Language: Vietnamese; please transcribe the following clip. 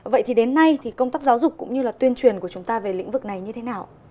vậy thì đến nay thì công tác giáo dục cũng như là tuyên truyền của chúng ta về lĩnh vực này như thế nào